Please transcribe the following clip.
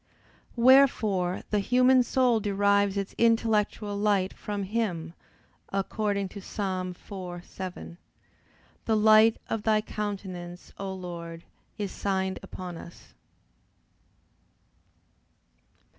Wherefore the human soul derives its intellectual light from Him, according to Ps. 4:7, "The light of Thy countenance, O Lord, is signed upon us."